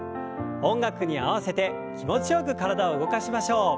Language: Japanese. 音楽に合わせて気持ちよく体を動かしましょう。